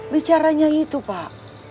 bicaranya itu pak